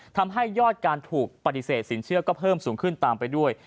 ทำให้ยอดการถูกปฏิเสธสินเชื่อก็เพิ่มสูงขึ้นตามไปด้วย